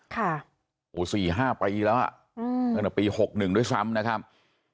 ค่ะโอ้สี่ห้าปีแล้วอ่ะอืมตั้งแต่ปี๖๑ด้วยซ้ำนะครับ